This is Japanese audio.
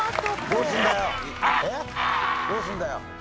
どうすんだよ。